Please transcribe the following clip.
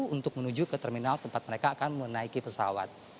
untuk menuju ke terminal tempat mereka akan menaiki pesawat